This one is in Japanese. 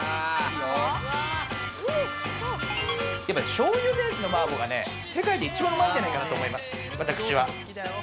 しょうゆベースの麻婆がね、世界で一番うまいんじゃないかなと思います、私は。